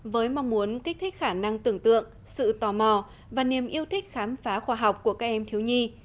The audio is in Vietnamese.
với mong muốn kích thích khả năng tưởng tượng sự tò mò và niềm yêu thích khám phá khoa học của các em thiếu nhi